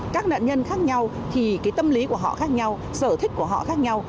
các nạn nhân khác nhau thì cái tâm lý của họ khác nhau sở thích của họ khác nhau